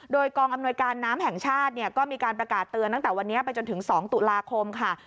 โดยกองอำนวยการน้ำแห่งชาติเนี่ยก็มีการประกาศเตือนตั้งแต่วันนี้ไปจนถึง๒ตุลาคมค่ะ